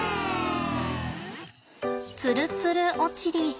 つるつるおちり。